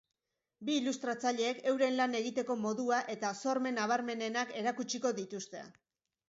Bi ilustratzaileek euren lan egiteko modua eta sormen nabarmenenak erakutsiko dituzte.